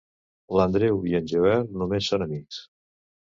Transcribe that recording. L'Andreu i en Joel només són amics.